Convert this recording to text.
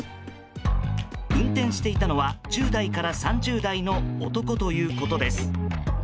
運転していたのは１０代から３０代の男ということです。